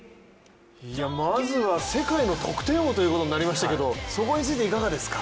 まずは世界の得点王ということになりましたけど、そこについて、いかがですか？